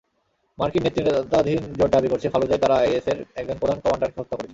মার্কিন নেতৃত্বাধীন জোট দাবি করেছে, ফালুজায় তারা আইএসের একজন প্রধান কমান্ডারকে হত্যা করেছে।